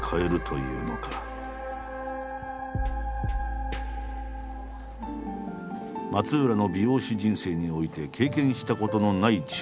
松浦の美容師人生において経験したことのない注文だという。